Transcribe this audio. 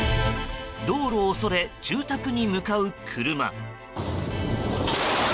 道路をそれ、住宅に向かう車。